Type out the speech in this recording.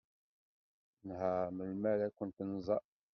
Nḥar melmi ara kent-nẓer.